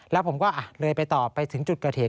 แล้วผมก็เลยไปต่อไปถึงจุดเกิดเหตุ